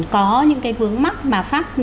có những cái vướng mắt mà phát